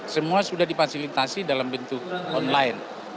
semua sudah difasilitasi dalam bentuk online